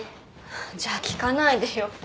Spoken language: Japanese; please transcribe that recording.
じゃあ聞かないでよ。